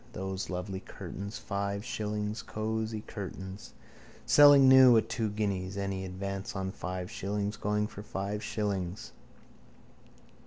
Those lovely curtains. Five shillings. Cosy curtains. Selling new at two guineas. Any advance on five shillings? Going for five shillings.